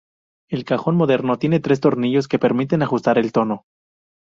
El cajón moderno tiene tres tornillos que permiten ajustar el tono.